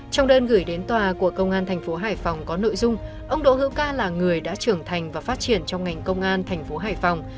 trong đơn gửi đến tòa của công an thành phố hải phòng có nội dung ông đỗ hữu ca là người đã trưởng thành và phát triển trong ngành công an thành phố hải phòng